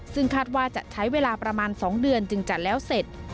ซึ่งคาดว่าจะใช้เวลาประมาณ๒เดือนจึงจะแล้วเสร็จ